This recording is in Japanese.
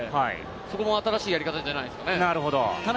そこも新しいやり方じゃないですかね。